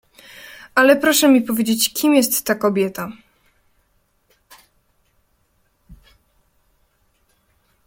"Ale proszę mi powiedzieć, kim jest ta kobieta?"